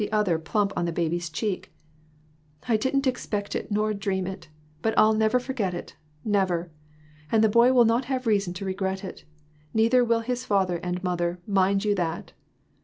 R. other plump on the baby's cheek. "I didn't expect it nor dream it ; but I'll never forget it, never! And the boy will not have reason to regret it ; neither will his father and mother ; mind you that